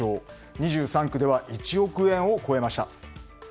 ２３区では１億円を超えました。